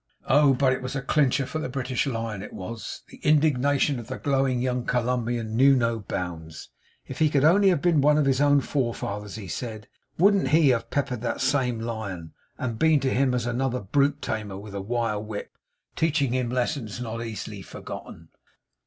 Oh but it was a clincher for the British Lion, it was! The indignation of the glowing young Columbian knew no bounds. If he could only have been one of his own forefathers, he said, wouldn't he have peppered that same Lion, and been to him as another Brute Tamer with a wire whip, teaching him lessons not easily forgotten.